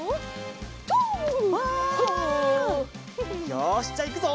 よしじゃあいくぞ！